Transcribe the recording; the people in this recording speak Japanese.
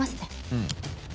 うん。